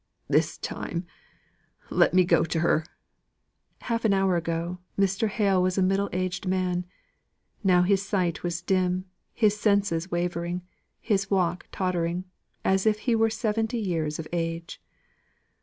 "This time! Let me go to her!" Half an hour ago Mr. Hale was a middle aged man; now his sight was dim, his senses wavering, his walk tottering, as if he were seventy years of age.